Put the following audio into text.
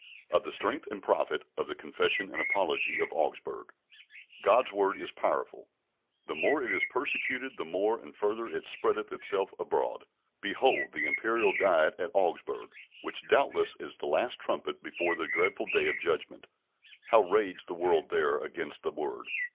Of the Strength and Profit of the Confession and Apology of Augsburg. God's Word is powerful; the more it is persecuted the more and further it spreadeth itself abroad. Behold the Imperial Diet at Augsburg, which doubtless is the last trumpet before the dreadful Day of Judgment. How raged the world there against the Word!